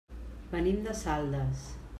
Venim de Saldes.